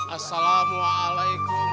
assalamualaikum bu haji